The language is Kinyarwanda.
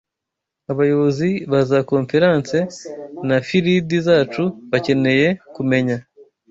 Abayobozi ba za Konferense na Filidi zacu bakeneye kumenya